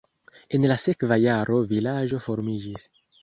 En la sekva jaro vilaĝo formiĝis.